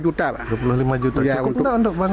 dua puluh lima juta cukup nggak untuk bangun